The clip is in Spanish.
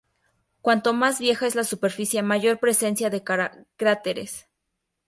Cuanto más vieja es la superficie, mayor presencia de cráteres.